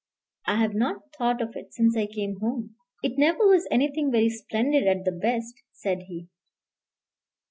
I have not thought of it since I came home." "It never was anything very splendid at the best," said he.